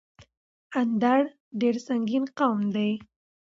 اندړ ډير سنګين قوم دی